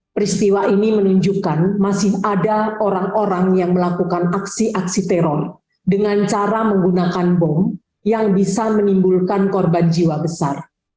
peristiwa ini menunjukkan masih ada orang orang yang melakukan aksi aksi teror dengan cara menggunakan bom yang bisa menimbulkan korban jiwa besar